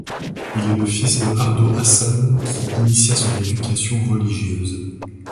Il est le fils de Ardo Hassan qui initia son éducation religieuse.